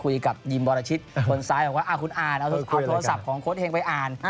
ยิมบรชิตคนซ้ายบอกว่าคุณอ่านเอาโทรศัพท์ของโค้ดเฮงไปอ่าน